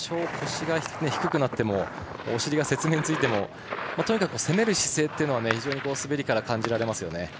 多少、腰が低くなってもお尻が雪面についてもとにかく攻める姿勢というのを非常に滑りから感じられますね。